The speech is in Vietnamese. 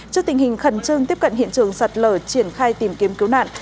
trước tình hình khẩn trương tiếp cận hiện trường sạt lở triển khai tìm kiếm cứu nạn